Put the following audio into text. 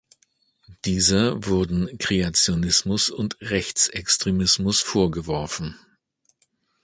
Dieser wurden Kreationismus und Rechtsextremismus vorgeworfen.